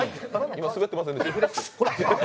今、スベってませんでした？